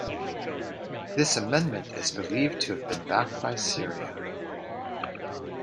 This amendment is believed to have been backed by Syria.